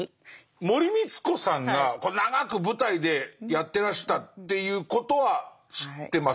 森光子さんが長く舞台でやってらしたということは知ってます。